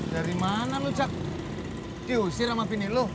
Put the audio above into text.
dari mana lojak diusir sama pini lu